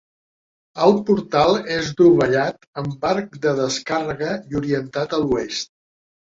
El portal és dovellat amb arc de descàrrega i orientat a l'Oest.